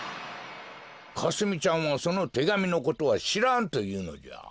かすみちゃんはそのてがみのことはしらんというのじゃ。